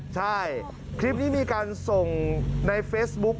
ใช่คลิปนี้มีการส่งในเฟซบุ๊ก